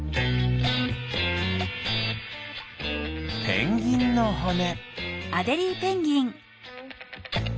ペンギンのほね。